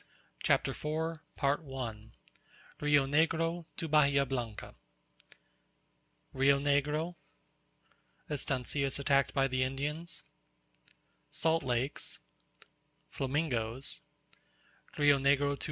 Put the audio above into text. CHAPTER IV RIO NEGRO TO BAHIA BLANCA Rio Negro Estancias attacked by the Indians Salt Lakes Flamingoes R. Negro to R.